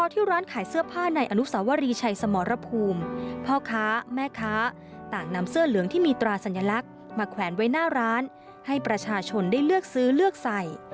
ที่เลือกซื้อเลือกใส่